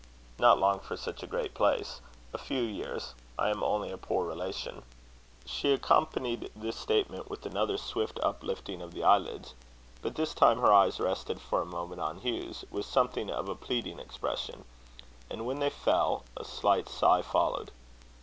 "Not long for such a great place. A few years. I am only a poor relation." She accompanied this statement with another swift uplifting of the eyelids. But this time her eyes rested for a moment on Hugh's, with something of a pleading expression; and when they fell, a slight sigh followed.